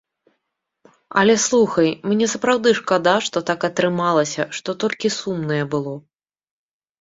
Але слухай, мне сапраўды шкада, што так атрымалася, што толькі сумнае было.